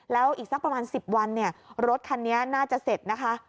แล้วอีกสักประมาณ๑๐วันรถคันนี้น่าจะเสร็จนะคะ